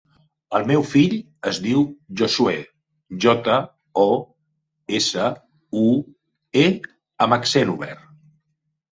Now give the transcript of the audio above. El meu fill es diu Josuè: jota, o, essa, u, e amb accent obert.